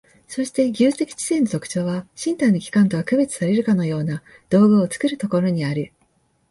そして技術的知性の特徴は、身体の器官とは区別されるかような道具を作るところにある。